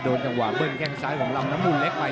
จังหวะเบิ้ลแข้งซ้ายของลำน้ำมูลเล็กไป